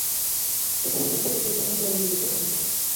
Es una agencia secreta dentro de la biblioteca británica.